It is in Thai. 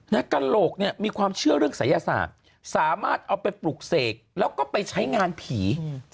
กระโหลกเนี่ยมีความเชื่อเรื่องศัยศาสตร์สามารถเอาไปปลุกเสกแล้วก็ไปใช้งานผี